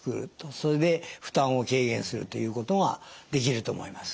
それで負担を軽減するということができると思います。